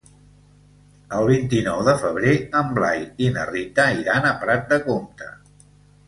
El vint-i-nou de febrer en Blai i na Rita iran a Prat de Comte.